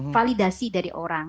validasi dari orang